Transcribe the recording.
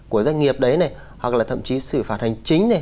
của doanh nghiệp đấy này hoặc là thậm chí xử phạt hành chính này